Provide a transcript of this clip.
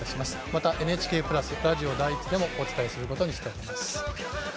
またＮＨＫプラスラジオ第１でもお伝えすることにしています。